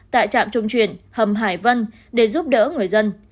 tại trạm trung chuyển hầm hải vân để giúp đỡ người dân